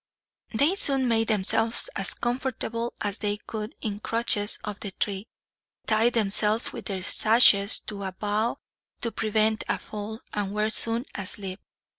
They soon made themselves as comfortable as they could in crutches of the tree, tied themselves with their sashes to a bough to prevent a fall, and were soon asleep.